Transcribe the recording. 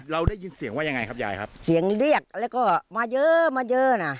เราได้ยินเสียงว่ายังไงครับยายครับเสียงเรียกแล้วก็มาเยอะมาเยอะน่ะ